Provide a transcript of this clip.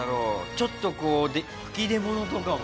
ちょっとこう吹き出物とかも。